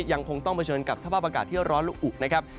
ยังคงต้องเผชิญกับสภาพอากาศที่ร้อนและอุนะครับ